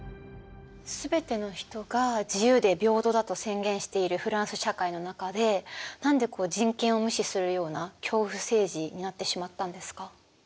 全ての人が自由で平等だと宣言しているフランス社会の中で何で人権を無視するような恐怖政治になってしまったんですか？